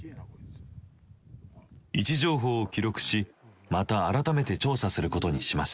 位置情報を記録しまた改めて調査することにしました。